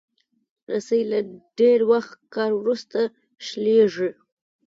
رسۍ له ډېر وخت کار وروسته شلېږي.